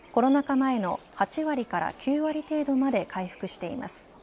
前の８割から９割程度まで回復しています。